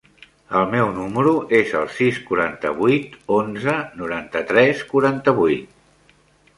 El meu número es el sis, quaranta-vuit, onze, noranta-tres, quaranta-vuit.